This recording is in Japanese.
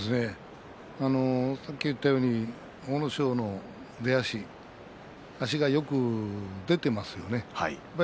さっき言いましたが阿武咲の出足足がよく出てますよね。